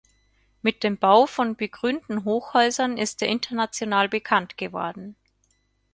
Mit dem Bau von begrünten Hochhäusern ist er international bekannt geworden.